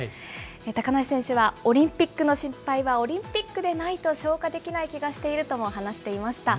高梨選手は、オリンピックの失敗はオリンピックでないと消化できない気がしているとも話していました。